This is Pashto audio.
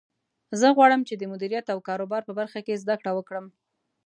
زه غواړم چې د مدیریت او کاروبار په برخه کې زده کړه وکړم